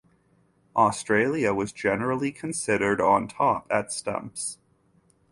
Australia was generally considered on top at stumps.